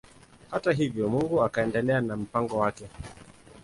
Hata hivyo Mungu akaendelea na mpango wake.